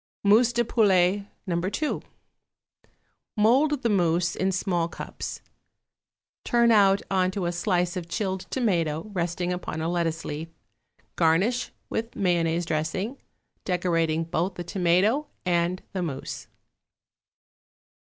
=Mousse de Poulet, No. 2.= Mould the mousse in small cups; turn out on to a slice of chilled tomato resting upon a lettuce leaf; garnish with mayonnaise dressing, decorating both the tomato and the mousse.